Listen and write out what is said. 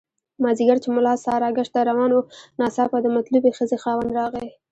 مازیګر چې ملا ساراګشت ته روان وو ناڅاپه د مطلوبې ښځې خاوند راغی.